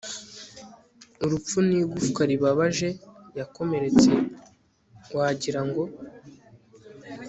Urupfu ni igufwa ribabaje yakomeretse wagira ngo